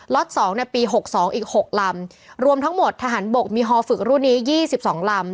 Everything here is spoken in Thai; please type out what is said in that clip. ล็อต๒ปี๖๒อีก๖ลำรวมทั้งหมดทหารบกมีฮฝึกรุ่นนี้๒๒ลำ